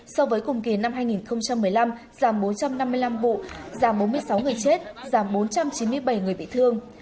so với cùng kỳ năm hai nghìn một mươi năm giảm bốn trăm năm mươi năm vụ giảm bốn mươi sáu người chết giảm bốn trăm chín mươi bảy người bị thương